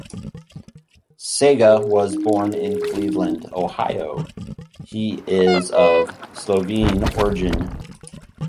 Sega was born in Cleveland, Ohio, he is of Slovene origin.